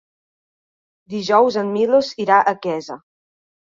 Dijous en Milos irà a Quesa.